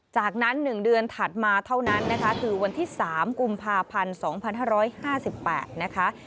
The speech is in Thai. จากนั้น๑เดือนถัดมาเท่านั้นนะคะคือวันที่๓กุมภาพันธ์๒๕๕๘นะคะ